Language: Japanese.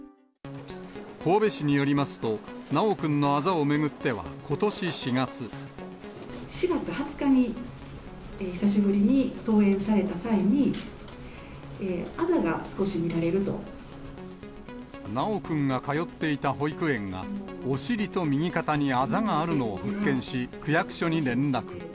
神戸市によりますと、修くんのあざを巡っては、４月２０日に、久しぶりに登園された際に、修くんが通っていた保育園が、お尻と右肩にあざがあるのを発見し、区役所に連絡。